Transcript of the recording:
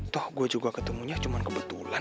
toh gue juga ketemunya cuma kebetulan